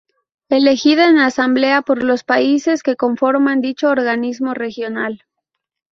Elegida en Asamblea por los países que conforman dicho Organismo Regional.